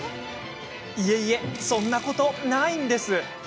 いえいえ、そんなことないんです。